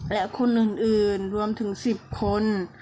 และคนอื่นรวมถึง๑๐คน